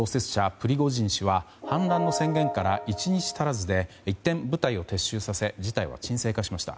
プリゴジン氏は反乱の宣言から１日足らずで一転、部隊を撤収させ事態を鎮静化させました。